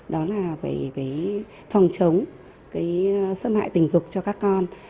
đó là về phòng chống xâm hại tình dục cho các con